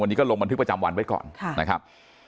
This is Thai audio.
วันนี้ก็ลงบันทึกประจำวันไว้ก่อนนะครับ